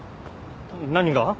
何が？